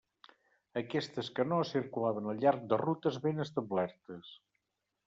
Aquestes canoes circulaven al llarg de rutes ben establertes.